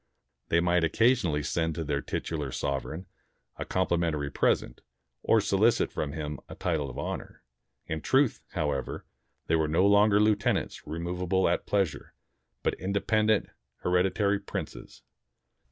They might occasionally send to their titular sovereign a compli mentary present, or solicit from him a title of honor. In truth, however, they were no longer lieutenants remov able at pleasure, but independent hereditary princes.